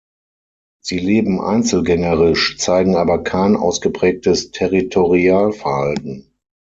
Sie leben einzelgängerisch, zeigen aber kein ausgeprägtes Territorialverhalten.